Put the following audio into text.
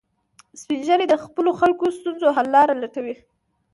سپین ږیری د خپلو خلکو د ستونزو حل لارې لټوي